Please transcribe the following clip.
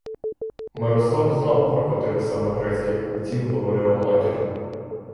Мирослав знав, про котрих саме грецьких купців говорила матір.